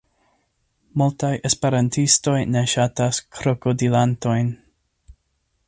Multaj esperantistoj ne ŝatas krokodilantojn.